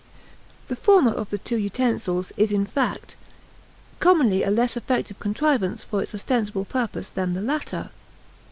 The former of the two utensils is, in fact, commonly a less effective contrivance for its ostensible purpose than the latter.